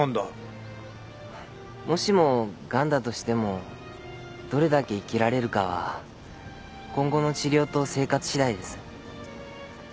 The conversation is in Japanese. もしもガンだとしてもどれだけ生きられるかは今後の治療と生活次第です。